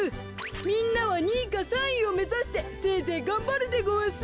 みんなは２いか３いをめざしてせいぜいがんばるでごわす。